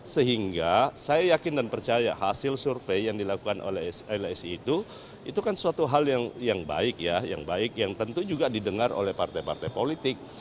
sehingga saya yakin dan percaya hasil survei yang dilakukan oleh lsi itu itu kan suatu hal yang baik ya yang baik yang tentu juga didengar oleh partai partai politik